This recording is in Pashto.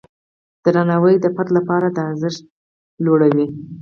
درناوی د فرد لپاره د ارزښت لوړوي.